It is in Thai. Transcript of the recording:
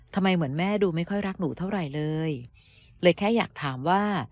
เหมือนแม่ดูไม่ค่อยรักหนูเท่าไหร่เลยเลยแค่อยากถามว่า